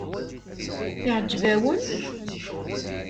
Iɛǧeb-awen?